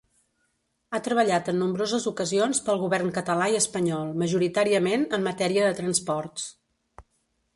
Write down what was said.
Ha treballat en nombroses ocasions pel Govern català i espanyol, majoritàriament en matèria de transports.